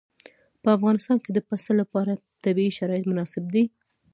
په افغانستان کې د پسه لپاره طبیعي شرایط مناسب دي.